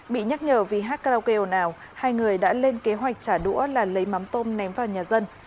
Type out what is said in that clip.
bị nhắc nhở vì hát karaoke ồ nào hai người đã lên kế hoạch trả đũa là lấy mắm tôm ném vào nhà dân